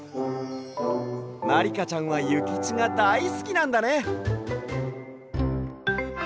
まりかちゃんはゆきちがだいすきなんだね！